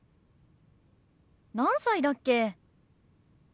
何歳だっけ？